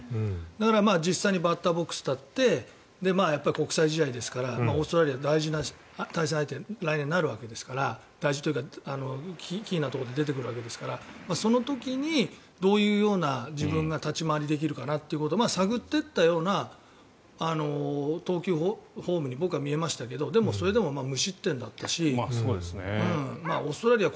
だから、実際にバッターボックスに立って国際試合ですからオーストラリア、大事な対戦相手に来年なるわけですから大事というか、キーなところで出てくるわけですからその時にどういう自分が立ち回りができるかなということを探っていったような投球フォームに僕は見えましたけどでも、それでも無失点だったしオーストラリア